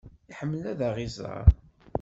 Iḥemmel ad aɣ-iẓer.